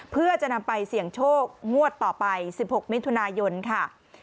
เพื่อจะนำไปเสี่ยงโชคงวดต่อไป๑๖มิถุนายนค่ะ